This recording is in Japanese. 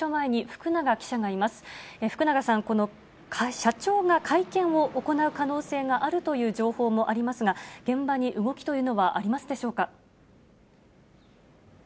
福永さん、社長が会見を行う可能性があるという情報もありますが、現場に動きというのはありますでしょうか。